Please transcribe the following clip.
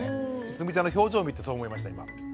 つむぎちゃんの表情を見てそう思いました今。